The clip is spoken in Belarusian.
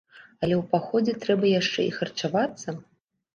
Але ў паходзе трэба яшчэ і харчавацца!